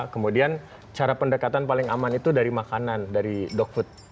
kemudian cara pendekatan paling aman itu dari makanan dari dog food